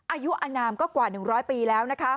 อายุอนามก็กว่า๑๐๐ปีแล้วนะคะ